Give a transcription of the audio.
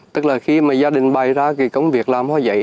tức là khi gia đình bày ra công việc làm hoa giấy